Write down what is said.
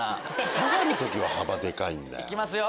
下がる時幅でかいんだよ。いきますよ